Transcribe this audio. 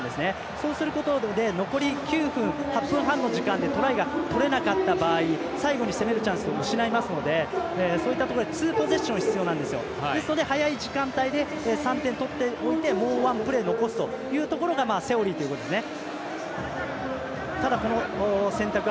そうすることで残り８分半の時間でトライがとれなかった場合最後に攻めるチャンスを失いますのでそういったところでツーポゼッション必要なので早い時間帯で３点を取っておいてもうワンプレー残すというところセオリーというところですね。